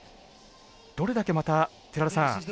どれだけまた寺田さん